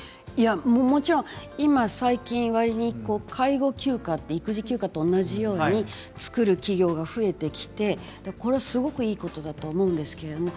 もちろん今、最近わりに介護休暇は育児休暇と同じように作る企業が増えてきてこれはすごくいいことだと思うんですけれど